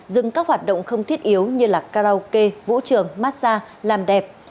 dừng các hoạt động không thiết yếu như là karaoke vũ trường massage làm đẹp